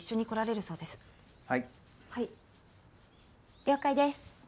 了解です。